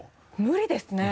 無理ですね。